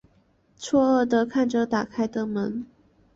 错愕的看着打开的门